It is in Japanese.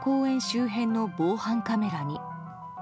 周辺の防犯カメラに。